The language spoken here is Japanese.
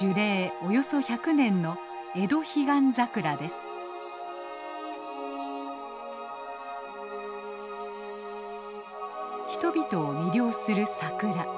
およそ１００年の人々を魅了する桜。